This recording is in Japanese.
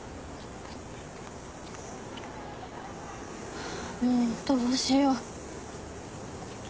ハァもうどうしよう。